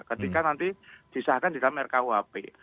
ketika nanti disahkan di dalam rkuhp